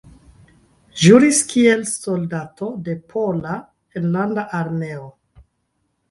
Ĵuris kiel soldato de Pola Enlanda Armeo.